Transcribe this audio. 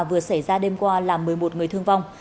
vừa xảy ra đêm qua làm một mươi một người thương vong